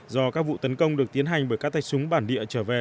do các vụ tấn công được tiến hành bởi các tay súng bản địa trở về